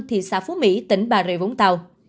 thị xã phú mỹ tỉnh bà rịa vốn tàu